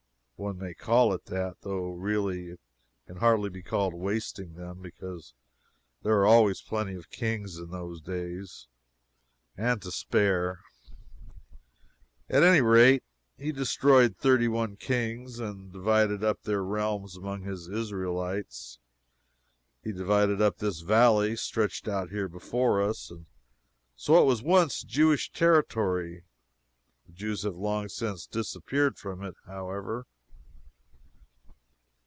One may call it that, though really it can hardly be called wasting them, because there were always plenty of kings in those days, and to spare. At any rate, he destroyed thirty one kings, and divided up their realms among his Israelites. He divided up this valley stretched out here before us, and so it was once Jewish territory. The Jews have long since disappeared from it, however.